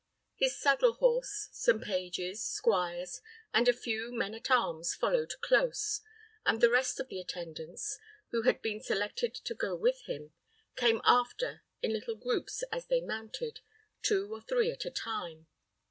His saddle horse, some pages, squires, and a few men at arms followed close, and the rest of the attendants, who had been selected to go with him, came after in little groups as they mounted, two or three at a time.